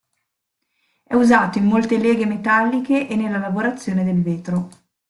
È usato in molte leghe metalliche e nella lavorazione del vetro.